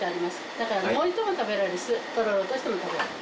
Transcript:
だからもりとも食べられるしとろろとしても食べられる。